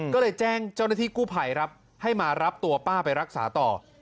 ก็เลยแจ้งเจ้าหน้าที่กู้ภัยครับให้มารับตัวป้าไปรักษาต่อ